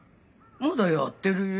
まだやってるよ。